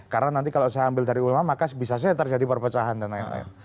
karena nanti kalau saya ambil dari ulama maka bisa saja terjadi perpecahan dan lain lain